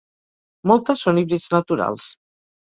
Moltes són híbrids naturals.